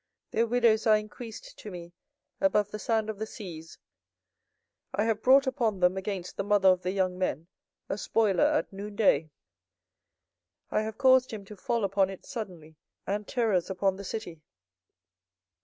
24:015:008 Their widows are increased to me above the sand of the seas: I have brought upon them against the mother of the young men a spoiler at noonday: I have caused him to fall upon it suddenly, and terrors upon the city.